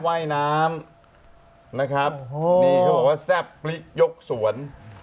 เว้ยน้ำว่าแซ่บปลิ้กยกสวน